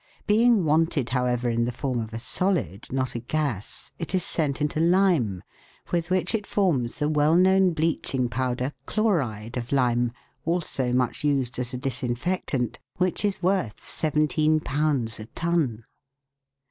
Being wanted, however, in the form of a solid, not a gas, it is sent into lime, with which it forms the well known bleaching powder, chloride of lime, also much used as a disinfectant, which is worth ij a ton.